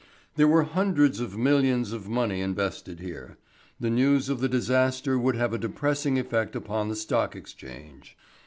There were hundreds of millions of money invested here. The news of the disaster would have a depressing effect upon the Stock Exchange.